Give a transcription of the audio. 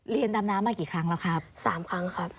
ดำน้ำมากี่ครั้งแล้วครับ๓ครั้งครับ